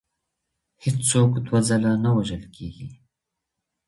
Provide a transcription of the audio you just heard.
هیڅ څوک دوه ځله نه وژل کیږي.